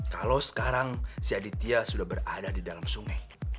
kalau sekarang si aditya sudah berada di dalam sungai